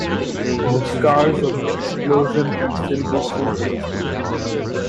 The scars of the explosion can still be seen to this day.